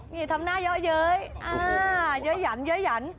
นี่ทำหน้าเยอะเย้ยเยอะหยั่น